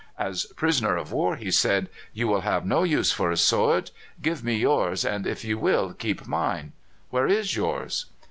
"As prisoner of war," he said, "you will have no use for a sword. Give me yours, and, if you will, keep mine. Where is yours?"